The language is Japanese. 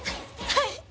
はい！